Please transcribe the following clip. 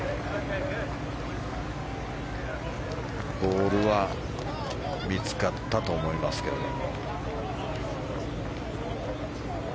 ボールは見つかったと思いますけれども。